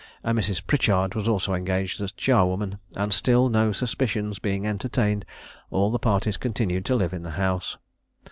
A Mrs. Pritchard was also engaged as charwoman, and still, no suspicions being entertained, all the parties continued to live in the house.